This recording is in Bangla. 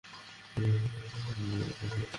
আমি ফিরে আসবো!